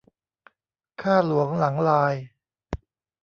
ข้าหลวงหลังลาย